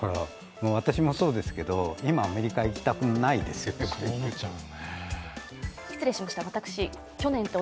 私もそうですけど、今、アメリカに行きたくないですよね、これを見ると。